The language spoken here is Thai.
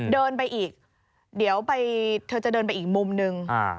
เดินไปอีกเดี๋ยวเธอจะเดินไปอีกมุมนึง